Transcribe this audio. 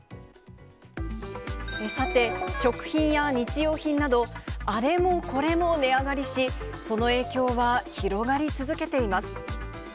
さて、食品や日用品など、あれもこれも値上がりし、その影響は広がり続けています。